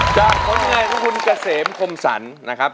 จากคนไหนทุกคุณเกษมคมสรรนะครับ